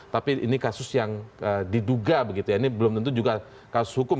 tapi ini kasus yang diduga begitu ya ini belum tentu juga kasus hukum